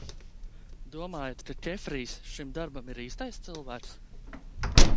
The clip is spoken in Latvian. Domājat, ka Kefrijs šim darbam ir īstais cilvēks?